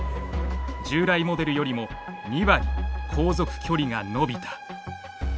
従来モデルよりも２割「航続距離」が延びた。